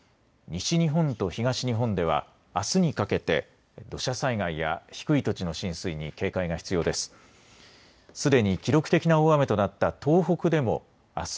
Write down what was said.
西日本と東日本ではあすにかけて、土砂災害や低い土地の浸水に警戒が必要です。